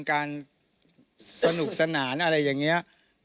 การสนุกสนานอะไรอย่างเงี้ยเค้าพูดนี้